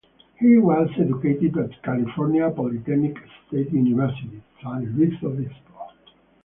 He was educated at California Polytechnic State University, San Luis Obispo.